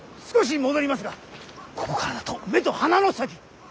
少し戻りますがここからだと目と鼻の先。